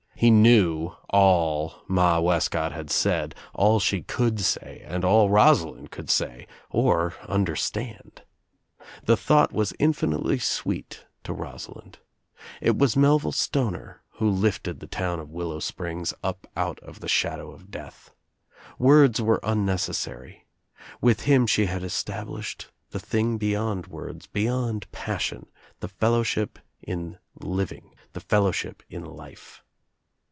He knew all Ma Wescott had said, til she could say and all Rosalind could say or understand. The thought was infinitely sweet to Rosalind. It was Melville Stoner who lifted the town of WUIow Springs up out of the shadow of death. Words were unnec i^^ essary. With him she had established the thing beyond >*y^^[!^ words, beyond passion — the fellowship in living, the fellowship in life.